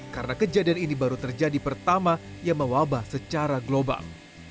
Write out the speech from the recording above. karena kejadian ini baru terjadi pertama yang mewabah secara global